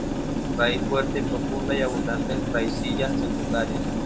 Raíz fuerte y profunda y abundantes raicillas secundarias.